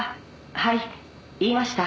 はい言いました」